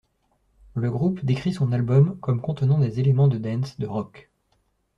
Le groupe décrit son album comme contenant des éléments de dance, de rock.